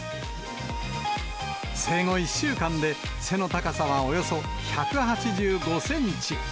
生後１週間で、背の高さはおよそ１８５センチ。